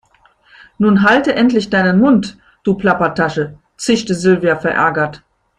Nun halt endlich deinen Mund, du Plappertasche, zischte Silvia verärgert.